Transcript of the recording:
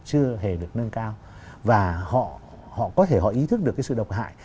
chưa hề được nâng cao và họ có thể họ ý thức được cái sự độc hại